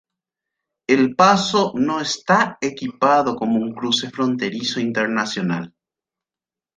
El paso no está equipado como un cruce fronterizo internacional.